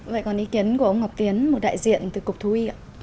vậy còn ý kiến của ông ngọc tiến một đại diện từ cục thúy ạ